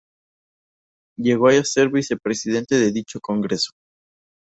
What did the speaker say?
Llegó a ser vicepresidente de dicho congreso.